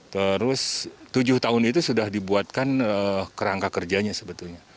terus tujuh tahun itu sudah dibuatkan kerangka kerjanya sebetulnya